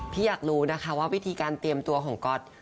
อยากรู้นะคะว่าวิธีการเตรียมตัวของก๊อต